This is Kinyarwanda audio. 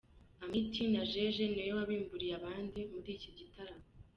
Amity Ndajeje ni we wabimburiye abandi muri iki gitaramo.